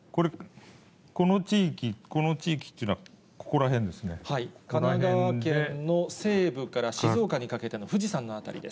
この地域、この地域というの神奈川県の西部から静岡にかけての富士山の辺りです。